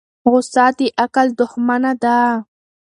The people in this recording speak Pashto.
غصه د عقل دښمنه ده.